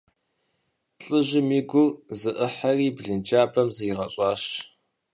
ЛӀыжьым и гур зэӀыхьэри, блынджабэм зригъэщӀащ.